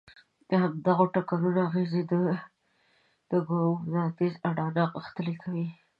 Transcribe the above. د همدغو ټکرونو اغېزې د دوګماتېزم اډانه غښتلې کوي.